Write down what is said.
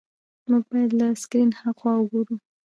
موږ باید له سکرین هاخوا وګورو.